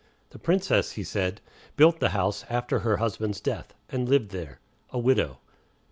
The Princess, he said, built the house after her husband's death, and lived there, a widow.